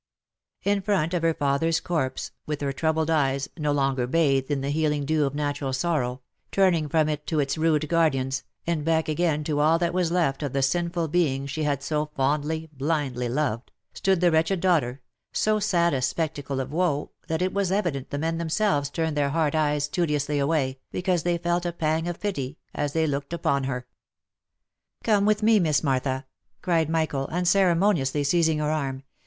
In front of her father's corpse, with her troubled eyes (no longer bathed in the healing dew of natural sorrow), turning from it to its rude guardians, and back again to all that was left of the sinful being she had so fondly, blindly loved, — stood the wretched daughter, so sad a spectacle of woe, that it was evident the men themselves turned their hard eyes studiously away, because they felt a pang of pity as they looked upon her. " Come with me, Miss Martha !" cried Michael, unceremoniously seizing her arm.